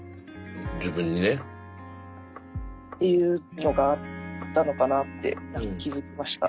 自分にね？っていうのがあったのかなって何か気付きました。